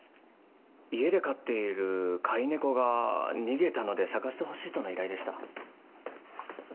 家で飼っている飼い猫が逃げたので捜してほしいとの依頼でした。